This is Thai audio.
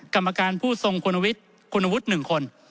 กรรมการผู้ทรงคุณวิทย์คุณวุฒิ์หนึ่งคน